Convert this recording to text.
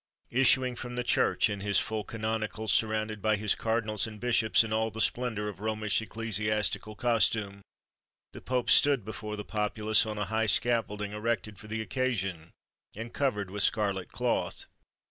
Issuing from the church in his full canonicals, surrounded by his cardinals and bishops in all the splendour of Romish ecclesiastical costume, the Pope stood before the populace on a high scaffolding erected for the occasion, and covered with scarlet cloth.